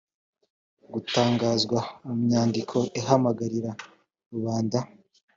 gutangazwa mu nyandiko ihamagarira rubanda